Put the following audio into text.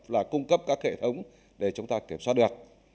là cung cấp các hệ thống để chúng ta kiểm soát được